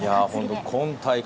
今大会